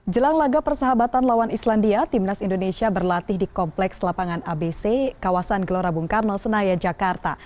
jelang laga persahabatan lawan islandia timnas indonesia berlatih di kompleks lapangan abc kawasan gelora bung karno senayan jakarta